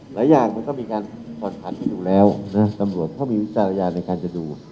หลายอย่างมันก็มีการคอนแพทย์อยู่แล้วนะตำรวจก็มีวิทยาลัยในการจะดู